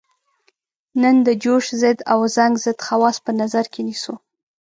نن د جوش ضد او زنګ ضد خواص په نظر کې نیسو.